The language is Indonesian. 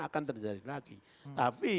akan terjadi lagi tapi